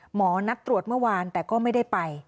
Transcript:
หมอนัดตรวจเมื่อวานแต่ก็ไม่ได้ไป